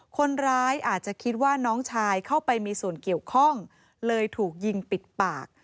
คนร้ายอาจจะคิดว่าน้องชายเข้าไปมีส่วนเกี่ยวข้องเลยถูกยิงปิดปาก